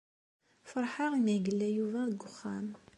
Feṛḥeɣ imi ay yella Yuba deg wexxam.